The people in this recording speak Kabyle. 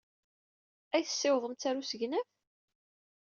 Ad iyi-tessiwḍemt ɣer usegnaf?